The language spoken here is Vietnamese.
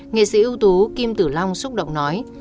nghệ sĩ ưu tú kim tử long xúc động nói